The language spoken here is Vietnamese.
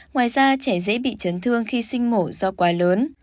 ngoài ra trẻ dễ bị chấn thương khi sinh mổ do quá lớn